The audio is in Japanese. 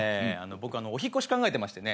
お引っ越し考えてましてね。